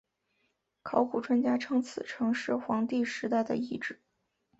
考古专家称此城是黄帝时代的遗址。